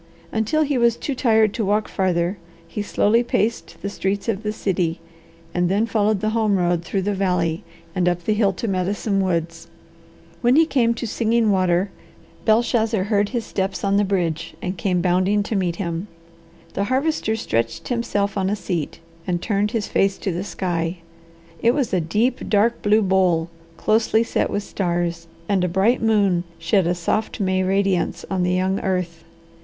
Until he was too tired to walk farther he slowly paced the streets of the city, and then followed the home road through the valley and up the hill to Medicine Woods. When he came to Singing Water, Belshazzar heard his steps on the bridge, and came bounding to meet him. The Harvester stretched himself on a seat and turned his face to the sky. It was a deep, dark blue bowl, closely set with stars, and a bright moon shed a soft May radiance on the young earth.